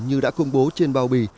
như đã công bố trên bao bì